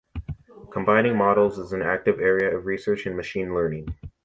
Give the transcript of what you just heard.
Combining models is an active area of research in machine learning.